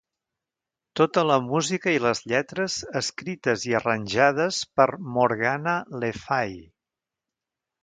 "Tota la música i les lletres escrites i arranjades per: Morgana Lefay"